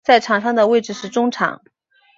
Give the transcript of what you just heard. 在场上的位置是中场。